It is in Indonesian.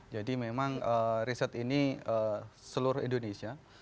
jadi memang riset ini seluruh indonesia